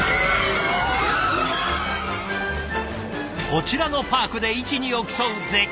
こちらのパークで一二を競う絶叫系！